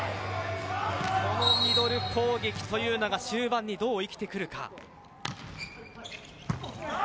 このミドル攻撃というのが終盤にどう生きてくるか。